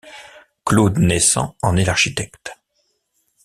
Claude Naissant en est l'architecte.